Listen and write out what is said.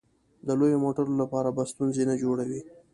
د لویو موټرو لپاره به ستونزې نه جوړوې.